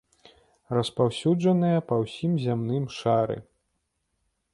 Распаўсюджаныя па ўсім зямным шары.